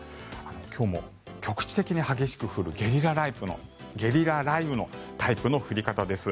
今日も局地的に激しく降るゲリラ雷雨のタイプの降り方です。